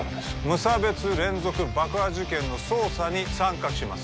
無差別連続爆破事件の捜査に参加します